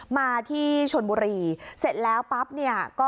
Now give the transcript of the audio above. มาที่ชนบุรีเสร็จแล้วปั๊บเนี่ยก็